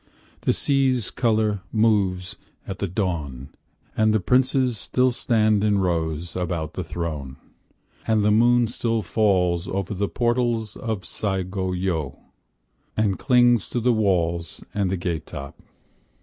The sea's colour moves at the dawn And the princes still stand in rows, about the throne, And the moon falls over the portals of Sei go yo, And clings to the walls and the gate top.